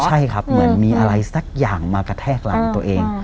ใช่ครับเหมือนมีอะไรสักอย่างมากระแทกหลังตัวเอง